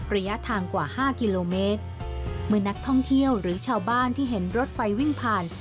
ระยะทางกว่าห้ากิโลเมตรเมื่อนักท่องเที่ยวหรือชาวบ้านที่เห็นรถไฟวิ่งผ่าน